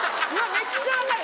めっちゃ分かる。